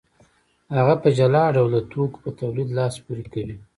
هغه په جلا ډول د توکو په تولید لاس پورې کوي